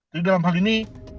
jadi dalam hal ini